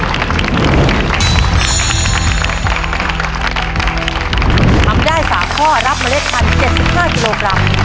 ทำได้๓ข้อรับเล็ดพันธุ์๗๕กิโลกรัม